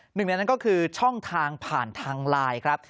หนึ่งในนั้นก็คือช่องทางผ่านทางไลน์ครับ